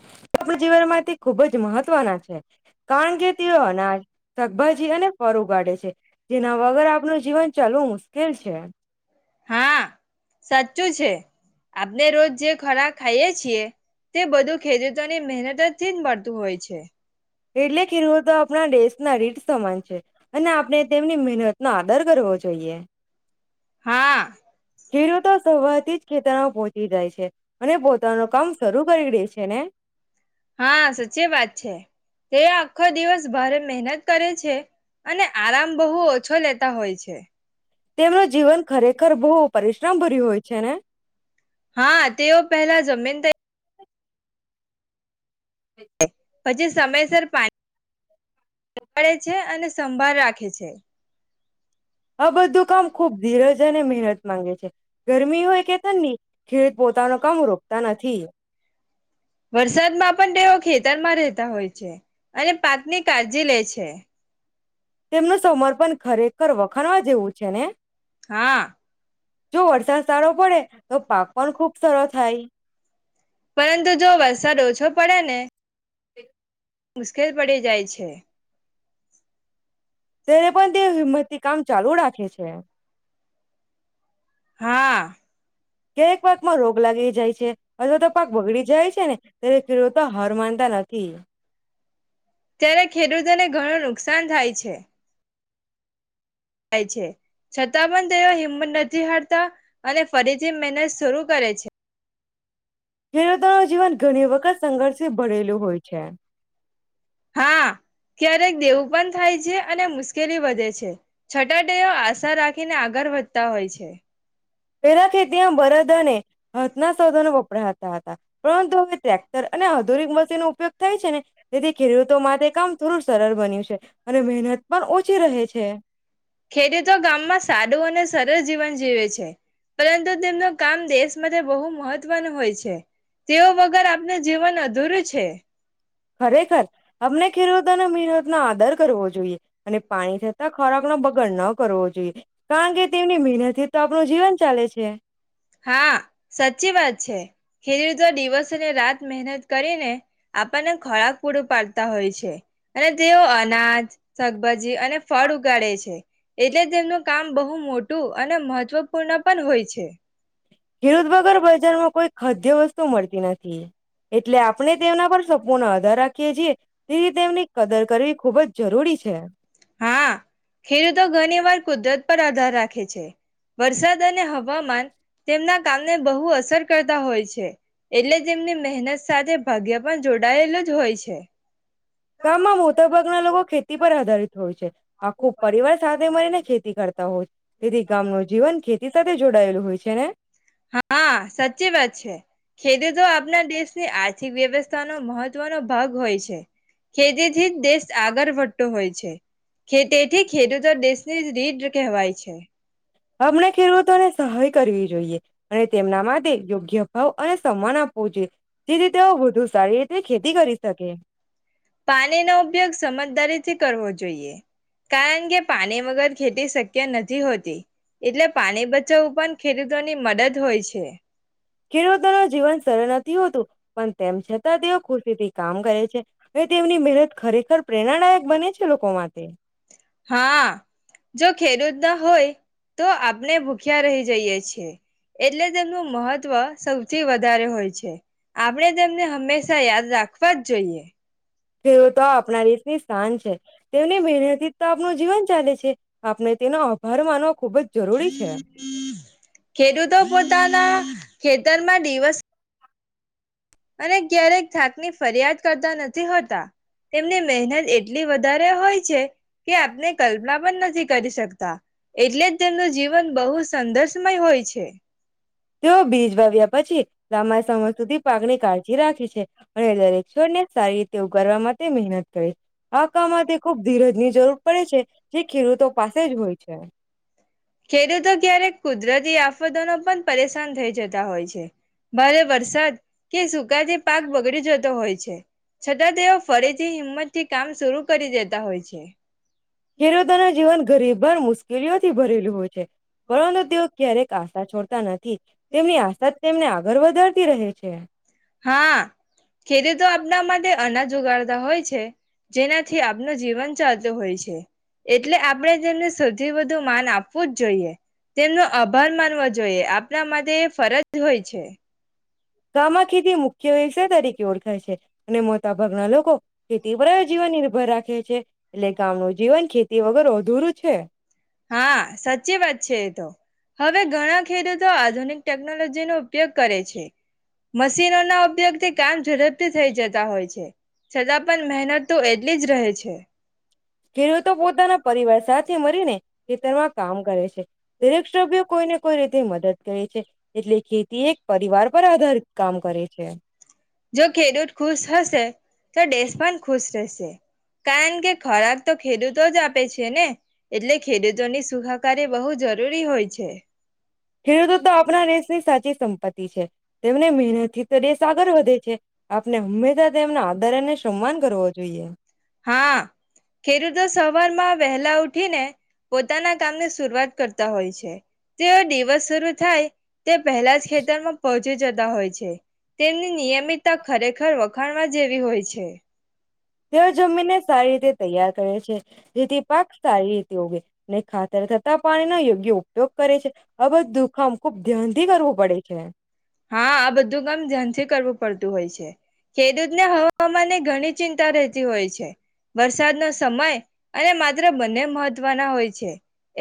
[unintelligible] જીવનમાંથી ખુબ જ મહત્વના છે. કારણ કે તેઓ અનાજ, શાકભાજી અને ફર ઉગાડે છે. જેના વગર આપણું જીવન ચાલવું મુશ્કેલ છે. હા, સાચું છે. આપણે રોજ જે ખરા ખાઈએે છીએ તે બધું ખેરૂતોની મહેનત થી જ મળતું હોય છે. એટલે ખેરૂતો આપણા દેશના રીટ સમાન છે. અને આપણે તેમની મહેનતનો આદર કરવો જોઈએ. હા. ખેરૂતો સવારથી જ ખેતરમાં પહોંચી જાય છે. અને પોતાનું કામ શરૂ કરી દે છે ને? હા, સચી વાત છે. તે આખો દિવસ ભારે મહેનત કરે છે. અને આરામ બહુ ઓ તેમનું જીવન ખરેખર બહુ પરિશ્રમ ભર્યું હોય છે ને? હા, તેઓ પહેલા જમીન તે પછી સમયસર પાણ [unintelligible] ગાડે છે અને સંભાળ રાખે છે. આ બધું કામ ખૂબ ધીરજ અને મહેનત માંગે છે. ગરમી હોય કે ઠંદી ખેત પોતાનું કામ રોકતા નથી. વરસાદમાં પન તેઓ ખેતરમાં રહેતા હોય છે. અને પાકની કાળજી લે છે. તેમનું સમર્પન ખરેખર વખાણવા જેવું છે ને? હા જો વરસાદ સારો પડે તો પાક પણ ખુબ સરો થાય. પરંતુ જો વરસાદ ઓછો પડે ને? મુશ્કેલ પડી જાય છે. તેને પણ તે હિમ્મતથી કામ ચાલુ રાખે છે. હા. ક્યારેક પાકમાં રોગ લાગી જાય છે. અથવા તો પાક બગડી જાય છે ને ત્યારે ખેડૂતો હાર માનતા નથી. ત્યારે ખેડૂતોને ઘણું નુકસાન થાય છે. થાય છે. છતાં પન તેઓ હિમ્મત નથી હારતા અને ફરીથી મેનત શરૂ કરે છે. ખેડૂતો જીવન ઘણી વખત સંઘર્ષેથી ભરેલું હોય છે. હા, ક્યારેક દેવું પન થાય છે. અને મુશ્કેલી વધે છે. છટા ટેઓ આશા રાખીને આગળ વધતા હોય છે. પેલા ખેતીમાં બરદ અને હથના સાધનો વપરાત તા હતા. પરંતુ હવે ટ્રેક્ટર અને આધુરિક મશીનો ઉપયોગ થાય છે ને તેથી ખેડૂતો માટે કામ થોડું સરળ બન્યું છે. અને મહેનત પણ ઓછી રહે છે. ખેડૂતો ગામમાં સાદું અને સરળ જીવન જીવે છે. પરંતુ તેમનું કામ દેશ માટે બહુ મહત્વનું હોય છે. તેઓ વગર આપનું જીવન અધૂરું છે. ખરેખર અમને ખેરૂતોને મીરત ના આદર કરવો જોઈએ. અને પાણી થતાં ખોરાકનો બગાડ ન કરવો જોઈએ. કારણ કે તેમની મહેનતે તો આપ પણું જીવન ચાલે છે. હા, સાચી વાત છે. ખેરૂતો દિવસ તને રાત મહેનત કરેને આપણને ખોરાક પૂરું પાડતા હોય છે. અને તેઓ અનાજ, શાકભાજી અને ફળ ઉગાડે છે. એટલે તેમનું કામ બહુ મોટું અને મહત્વપૂર્ણ પન હોય છે. ખેડૂત વગર બજારમાં કોઈ ખાદ્ય વસ્તુ મળતી નથી એટલે આપણે તેના પર સપૂના હત ધા રાખીએ છીએ એતે એમને કદર કરવી ખુબ જ જરૂરી છે હા ખેડૂતો ઘણી વાર કુદરત પર આધાર રાખે છે વરસાદ અને હવામાન તેમના કામને બહુ અસર કરતા હોય છે એટલે જે એમને મહેનત સાથે ભાગ્ય પણ જોડાયેલ જ હોય છે ગામમાં મોટા ભાગના લોકો ખેતી પર આધારિત હોય છે આા ખુબ પરિવાર સાથે રી ને ખેતી કરતા હોય તેથી ગામ ન જીવન ખેતી ત જોડાયેલું હોય છે ને હા સાચી વાત છે ખેડતો આપના દેશની આ આર્થિક વ્યવસ્થાનો મહત્વનો ભાગ હોય છે ખેતીથી જ દેશ આગળ વધતો હોય છે ખેતીથી ખેડૂતો દેશની રીડ કહેવાય છે હમને ખેરવું તો ને સહાય કરવી જોઈએ અને તેમના માટે યોગ્ય ભાવ અને સન્માન આપવો જોઈએ જેથી તેઓ વધુ સારી રીતે ખેતી કરી શકે પાણીનો ઉપયોગ સમજદારીથી કરવો જોઈએ કારણ કે પાણી વગર ખેતી શક્ય નથી હોતી એટલે પાણી બચાવવું પણ ખેડૂતોની મદદ હોય છે ખેડૂતોના જીવન સરળ હતું પણ તેમ છતાં તેઓ ખુશી થી કામ કરે છે હવે તેમની મહેનત ખરેખર પ્રેરણાદાયક બને છે લો કમાતે હા જો ખેડૂત ના હોય તો આપણે ભૂખ્યા રહી જઈએ છીએ એટલે તેમનું મહત્વ સૌથી વધારે હોય છે આપણે તેમને હંમેશા યાદ રાખવા જ જોઈએ એવું તો આપણા રીતની સ્થાન છે તેમની મહેનતી તો આપનું જીવન ચાલે છે આપણે તેનો આભાર માનવો ખુબ જ જરૂરી છે ખેડૂતો પોતાના ખેતરમાં દિવસ અને ક્યારેક થાકની ફરિયાદ કરતા નથી હોતા તેમની મહેનત એટલી વધારે હોય છે કે આપને કલ્પના પણ નથી કરી શકતા એટલે જ તેમનું જીવન બહુ સંદર્ષમાંય હોય છે તે બીજ વાવ્યા પછી લાંબાઈ સમય સુધી પાકની કાળજી રાખી છે હક્ષને સારી [unintelligible] તેવું કરવા માટે તે મહેનત કરે છે. આ કામમાં તે ખૂબ ધીરજની જરૂર પડે છે, જે ખેડૂતો પાસે જ હોય છે. ખેડૂતો ક્યારેક કુદરતી આફતો ન પણ પરેશાન થઈ જતા હોય છે. ભારે વરસાદ કે સુગા જે પાક બગડી જતો હોય છે દાદેવ ફરીથી હિંમત થી કામ સુરૂ કરી દેતા હોય છે. ખેડૂતોના જીવન ગરીબર મુશ્કેલીઓથી ભરેલું હોય છે. પરંતુ તેઓ ક્યારેક આશા છોડતા ત [unintelligible] તેમની આશા તેમને ઘર વધારતી રહે છે. હા ખેડૂતો આપના માટે અનાજ ઉગાડતા હોય છે, જેનાથી આપનું જીવન ચાલતુ હોય છે. એટલે આપડે જેમને સ તે વધુ માન આપવું જ જોઈએ. તેમનો આભાર માનવો જોઈએ, આપણા માટે એ ફરજ હોય છે. ગામ માં ખેતી મુખ્ય વ્યવસાય તરીકે ઓળખાય છે અને મોટા ભાગના લોકો ખેતી ઉપર જ જીવન નિર્ભર રાખે [unintelligible] એટલે ગામ નું જીવન ખેતી વગેર અધૂરું છે હા સાચી વાત છે એ તો હવે ઘણા ખેડૂતો આધુનિક ટેકનોલોજીનોો ઉપયોગ કરે છે મશીનો ના ઉપયોગથી કામ ઝડપથી થઈ જતા હોય છે છતાં પણ મહેનત તો એટલી જ રહે છે ખેડૂતો પોતાના પરિવાર સાથે મળરી ને ખેતરમાં કામ કરે છે દરેક સભ્ય કોઈને કોઈ રીતે મદદ તો એ છે એટલે ખેતી એક પરિવાર પર આધારિત કામ. કરે છે જો ખેડૂત ખુશ હશે તો દેશ પણ ખુશ રહેશે કારણ કે ખોરાક તો ખેડૂતો જ આપે છે ને એટલે ખેડૂતોની સુખાકારી બહુ જરૂરી હોય છે ખેડૂતો તો આપણા દેશની સાચી સંપત્તિ તેમને મહેનત થી તો દેશ આગળ વધે છે આપને હંમેશા તેમના આદર અને સન્માન કરવો જોઈએ હા ખેડૂતો સવારમાં વહેલા ઉઠીને પોતાના કામની શરૂઆત કરતા હોય છે તેઓ દિવસ શરૂ થાય તે પહેલા જ ખેતર માં પ જતા હોય છે તેમની નિયમિતતા ખરેખર વખાણવા જેવી હોય છે તેઓ જમીનને સારી રીતે તૈયાર કરે છે જેથી પાક સારી રીતે ઉગે નહી ખાતર થતા પાણી ન યોગ્ય ઉપયોગ કરે છે આ બધું કામ ખૂબ ધ્યાન થી કરવું પડે છે હા આ બધું કામ ધ્યાનથી કરવું પડતું હોય છે ખેડૂત ને હવામાન ઘણી ચિંતા રહેતી હોય છે વરસાદનોો સમય અને માત્ર બંને મહત્વના હોય છે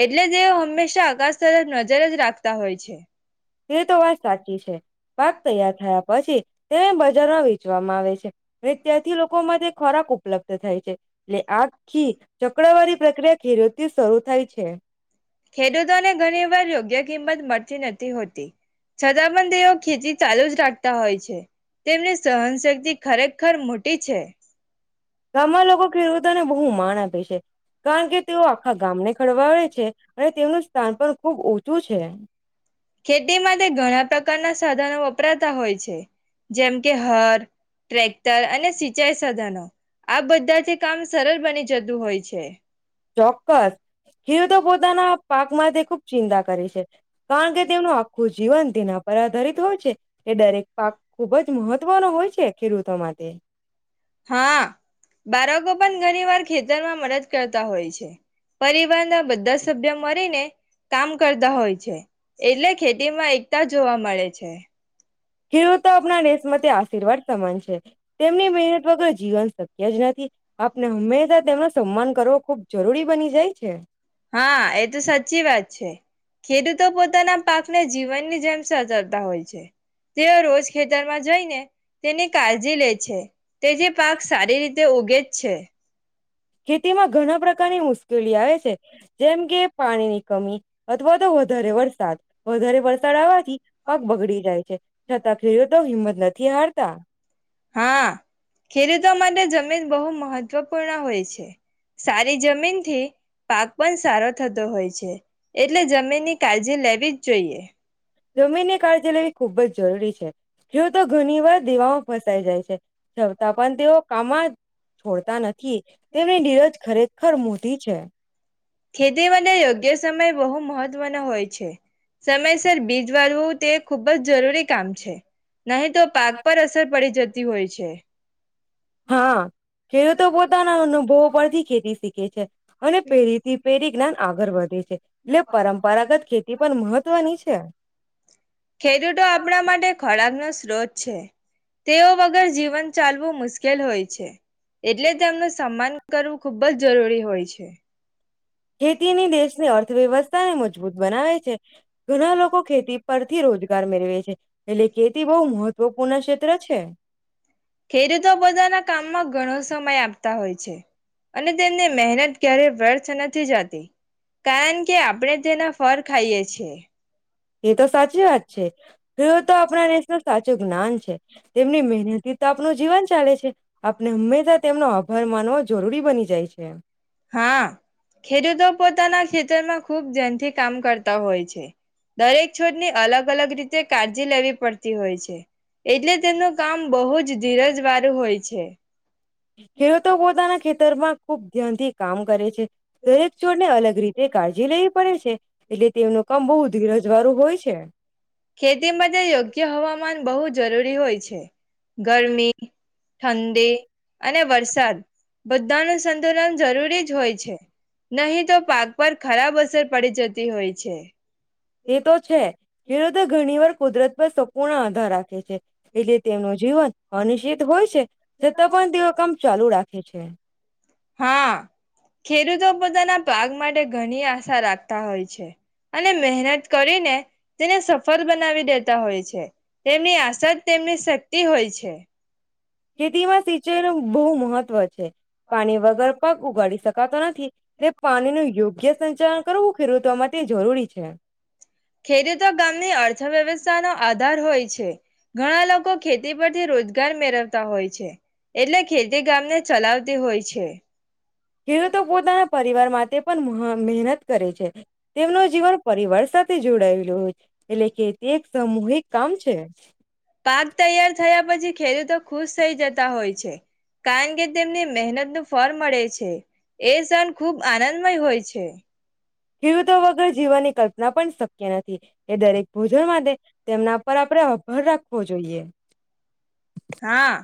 એટલે તેઓ હંમેશા આકાશ તરફ નજર જ રાખતા હોય છે એ તો વાત સાચી છે પાક તૈયાર થયા પ તે તેને બજારમાં વેચવામાં આવે છે અને ત્યાંથી લોકો માટે ખોરાક ઉપલબ્ધ થાય છે એટલે આ ખી ચક્રવારી પ્રક્રિયા ખેડથી શરૂ થાય છે ખેડૂતોને ઘણી વાર યોગ્ય કિંમત મળતી નથી હોતી છતાં પણ તેઓ ખેતી ચાલુ જ રાખતા હોય છે તેમની સહનશક્તિ ખરેખર મોટી છે ગામમાં લોકો ખેડૂતો ને હું માણ પશે [unintelligible] કારણ કે તેઓ આખા ગામને ખડવાડે છે, અને તેમનું સ્થાન પણ ખુબ ઊંચુ શું છે? ખેતી માટે ઘણા પ્રકાર પ્રકાર ના સાધનો વપરાતા હોય છે. જેમ કે હર, ટ્રેક્ટર અને સિંચાઈ ધનો આ બધાથી કામ સરળ બની જતું હોય છે. ચોક્કસ ખેડૂતો પોતાના પાકમાંથી ખુબ ચિંતા કરે છે, કારણ કે તેમનું આખું જીવન તેના પર આધારિત હોય છે, એ દરેક પાક ખુબ જ મહત્વનો હોય છે. ખેડૂતો માટે હા બાળકો પણ ઘણી વાર ખેતરમાં મદદ કરતા હોય છે. પરિવારના બધા સભ્ય મળરીને કામ કરતા હોય છે, એટલે ખેતીમાં એકતા જોવા મળે છે. હિર તો આપણા નિસ્મતે આ [unintelligible] શિરવાર સમાન છે. તેમની મહેનત વગર જીવન સક્ જ નથી આપને હંમેશા તેમ સમમાન કરો ખુબ જરૂરી બની જાય છે. હા એ તો સાચી વાત છે. ખેડૂતો પોતાના પાકને જીવનની જેમ સચવતા હોય છે, તેઓ રોજ ખેતરમાં જઈને તેની કાળજી લે છે. તે જે પાક સારી રીતે તે ઓગે જ છે. ખેતી માં ઘણા પ્રકારની મુશ મુકેલી આવે છે, જેમ કે પાણી [unintelligible] કમી અથવા તો વધારે વરસાદ વધારે વરસાદ આવવાથી પાક બગડી જાય છે, છતાં ખેડૂતો હિંમત નથી હારતા. હા ખેડૂતો માટે જમીન બહુ મહત્વપૂર્ણ હોય છે. સારી જમીનથી પાક પણ સારો થતો હોય છે, એટલે જમીનની કાળજી લેવી જ જોઈએ. જમીન ની કાળજી લેવી ખુબ જ જરૂરી છે. ખેડૂતો ઘણી વાર દેવામાં ફસાઈ જાય છે, છતાં પણ તેઓ કામમાં છોડતા નથી તેમની નીરજ ખરેખર મોટી છે. ખેતી માટે યોગ્ય સમય બહુ મહત્વનો હોય છે, સમયસર બીજ વાળવું તે ખૂબ જ જરૂરી કામ છે. નહી તો પાક પર અસર પડી જતી જતી હોય છે. હા ખેડૂતો પોતાના અનુભવો પરથી ખેતી શીખે છે. અને પેરીથી પેરી જ્ઞાન આવ ઘર [unintelligible] છે. એટલે પરંપરાગત ખેતી પણ મહત્વની છે. [unintelligible] ખેડૂતો આપણા માટે ખોરાકનો સ્ત્રોત છે તેઓ વગર જીવન ચાલવું મુશ્કેલ હોય છે. એટલે જ એમનું સન્માન કરવું ખુબ જ જરૂરી હોય છે. ખેતીની દેશની અર્થવ્યવસ્થાને મજબૂત બનાવે છે ઘણા લોકો ખેતી પરથી રોજગાર મેળવે છે એટલે ખેતી બહુ મહત્વપૂર્ણ ક્ષેત્ર છે. ખેડૂતો પોતાના કામમાં ઘણો સમય આપતા હોય છે અને તેમને મહેનત ક્યારે વર્થ ના નથી જાતિ. કારણ કે આપણેે તેના ફળ ખાઈએ છીએ. એ તો સાચી વાત છે એ તો આપણા [unintelligible] સાચું જ્ઞાન છે. તેમની મહેનત તો આપનું જીવન ચાલે છે આપણે હંમેશા તેમનો આભાર માનવો જરૂરી બની જાય છે. હા ખેડૂતો પોતાના ખેતરમાં ખુબ જનથી કામ કરતા હોય છે દરેક છોડની અલગ અલગ રીતે કાળજી લેવી પડતી હોય છે એટલે તેમ નું કામ બહુ જ ધીરજ વાર વાળુ હોય છે. ખેડૂતો પોતાના ખે ખેતરમાં ખુબ ધ્યાન થી કામ કરે છે. દરેક છોડ ને અલગ રીત તે કાળજી લેવી પડે છે એટલે તેમનું કામ બહુ ધીરજ વારું હોય છે. ખેતી માટે યોગ્ય હવામાન બહુ જ જરૂરી હોય છે. ગરમી ઠંડી અને વરસાદ. બધાનું સંતુલન જરૂરી જ હોય છે નહીં તો પાક પર ખરાબ અસર પડી જતી હોય છે. તે તો છે. ખેડૂતો ઘર ની [unintelligible] કુદરત પર સંપૂર્ણ આધાર રાખે છે. એટલે તેમનું જીવન અનિશ્ચિત હોય છે છતાં પણ તેઓ કમ ચાલુ રાખે છે. હા ખેડૂતો પોતાના પાક માટે ઘણી આશા રાખતા હોય છે અને મહેનત કરીને તેને સફળ બનાવી દેતા હોય છે તેમની આશા તેમની શક્તિ હોય છે. ખેતીમાં સિંચાઈ ન બહુ મહત્વ છે પાણી વગર પાક ઉગાડી શકાતો નથી એટલે પાણી ન યોગ્ય સંચાલન કરવું ખેડૂતો માટે જરૂરી છે અચ્છા ખેડૂતો ગામની અર્થવ્યવસ્થા નો આધાર હોય છે ઘણા લોકો ખેતી પરથી રોજગાર મેળવતા હોય છે એટલે ખેતી ગામ જ ચલાવતી હોય છે ખેડૂતો પોતાના પરિવાર માટે પણ મહેનત કરે છે તેમનું જીવન પરિવાર સાથે જોડાયું હ છે પાક તૈયાર થયા પછી ખેડૂતો ખુશ થઈ જતા હોય છે કારણ કે તેમને મહેનત નું ફળ મળે છે એ સણ ખૂબ આનંદમય હોય છે ખેડૂતો વગર જીવાની કલ્પના પણ સ કેના એ દરેક ભોજન માટે તેમના પર આપણેે આભાર રાખવો જોઈએ હા